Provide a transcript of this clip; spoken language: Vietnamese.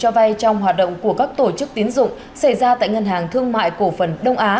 cho vay trong hoạt động của các tổ chức tiến dụng xảy ra tại ngân hàng thương mại cổ phần đông á